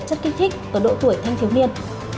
chất kích thích ở độ tuổi thanh thiếu niên